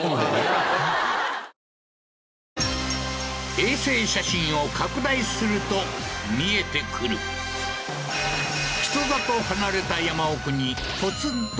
衛星写真を拡大すると見えてくる人里離れた